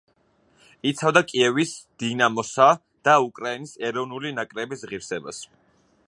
იცავდა კიევის „დინამოსა“ და უკრაინის ეროვნული ნაკრების ღირსებას.